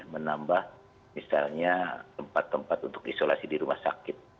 menambah misalnya tempat tempat untuk isolasi di rumah sakit